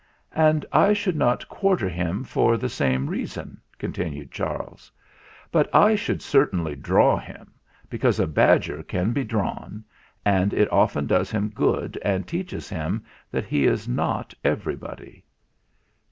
"And I should not quarter him for the same reason," continued Charles ; "but I should cer tainly draw him; because a badger can be drawn, and it often does him good and teaches him that he is not everybody."